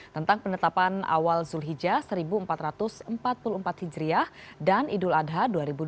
tentang penetapan awal zulhijjah seribu empat ratus empat puluh empat hijriah dan idul adha dua ribu dua puluh